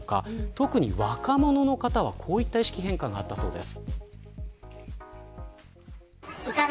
特に若者の方は、こういった意識変化があったようです。